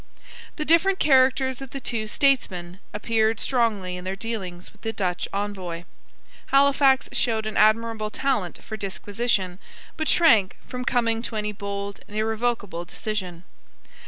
The different characters of the two statesmen appeared strongly in their dealings with the Dutch envoy. Halifax showed an admirable talent for disquisition, but shrank from coming to any bold and irrevocable decision.